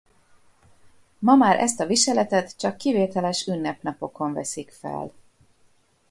Ma már ezt a viseletet csak kivételes ünnepnapokon veszik fel.